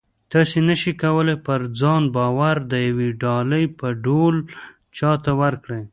تاسې نه شئ کولی پر ځان باور د یوې ډالۍ په ډول چاته ورکړئ